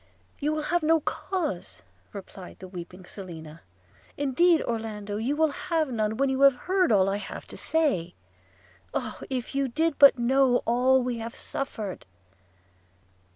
'You will have no cause,' replied the weeping Selina; 'indeed, Orlando, you will have none, when you have heard all I have to say – Oh! if you did but know all we have suffered!'